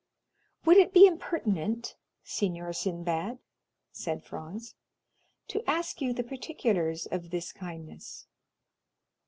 "Would it be impertinent, Signor Sinbad," said Franz, "to ask you the particulars of this kindness?"